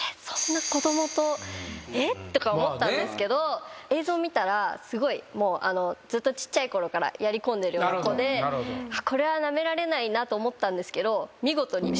えっ？とか思ったんですけど映像を見たらずっとちっちゃいころからやり込んでるような子でこれはなめられないなと思ったんですけど。